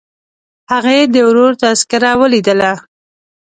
هغې د ورور تذکره ولیدله.